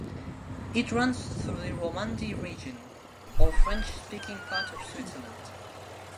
It runs through the Romandie region, or French-speaking part of Switzerland.